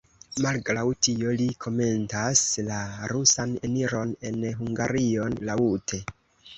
Malgraŭ tio li komentas la rusan eniron en Hungarion laŭte.